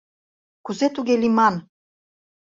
Кузе туге лийман?